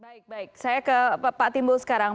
baik baik saya ke pak timbul sekarang